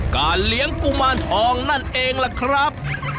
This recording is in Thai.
การเลี้ยงกุมารทองนั่นเองล่ะครับ